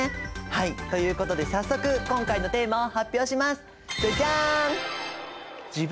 はいということで早速今回のテーマを発表します。